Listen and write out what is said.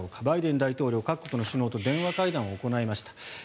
バイデン大統領、各国の首脳と電話会談を行いました。